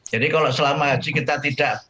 jadi kalau selama haji kita tidak